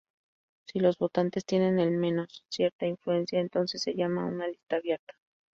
Si los votantes tienen al menos cierta influencia, entonces se llama una lista abierta.